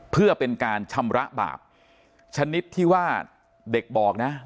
เพื่อเป็นการชำระบาปชนิดที่ว่าเด็กบอกนะ